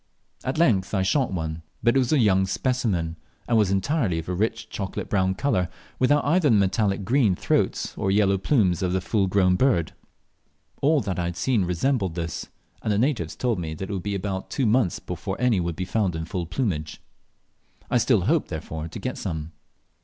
At length I shot one, but it was a young specimen, and was entirely of a rich chocolate brown colour, without either the metallic green throat or yellow plumes of the full grown bird. All that I had yet seen resembled this, and the natives told me that it would be about two months before any would be found in full plumage. I still hoped, therefore, to get some.